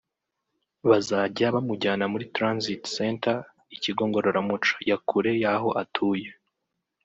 bazajya bamujyana muri transit center (ikigo ngororamuco) ya kure y’aho atuye